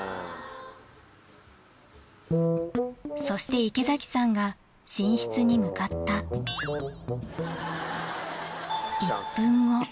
そして池崎さんが寝室に向かった１分後。